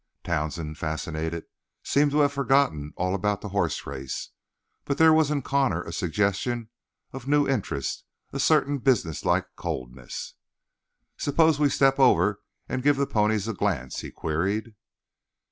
Townsend, fascinated, seemed to have forgotten all about the horse race, but there was in Connor a suggestion of new interest, a certain businesslike coldness. "Suppose we step over and give the ponies a glance?" he queried.